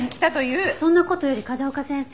そんな事より風丘先生。